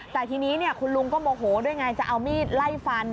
แต่ทีนี้คุณลุงก็โมโหด้วยไงจะเอามีดไล่ฟัน